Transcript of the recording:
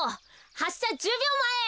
はっしゃ１０びょうまえ。